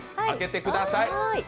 開けてください。